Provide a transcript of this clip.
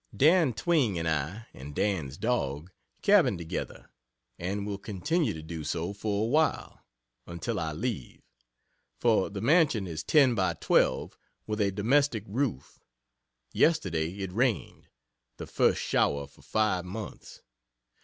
Dan Twing and I and Dan's dog, "cabin" together and will continue to do so for awhile until I leave for The mansion is 10x12, with a "domestic" roof. Yesterday it rained the first shower for five months.